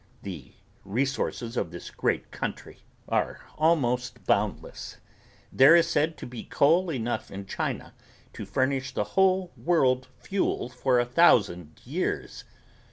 The resources of this great country are almost boundless. There is said to be coal enough in China to furnish the whole world fuel for a thousand years.